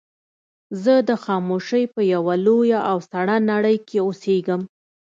زه د خاموشۍ په يوه لويه او سړه نړۍ کې اوسېږم.